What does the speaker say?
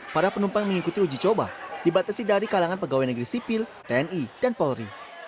para penumpang yang mengikuti uji coba dibatasi dari kalangan pegawai negeri sipil tni dan polri